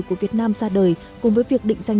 của việt nam ra đời cùng với việc định danh